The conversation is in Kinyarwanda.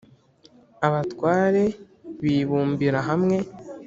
Abatware bibumbira hamwe